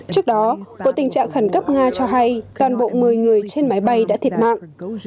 trước đó bộ tình trạng khẩn cấp nga cho hay toàn bộ một mươi người trên máy bay đã thiệt mạng